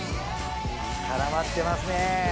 絡まってますね！